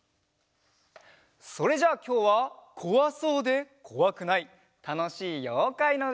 それじゃあきょうはこわそうでこわくないたのしいようかいのうた